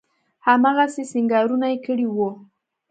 هماغسې سينګارونه يې کړي وو.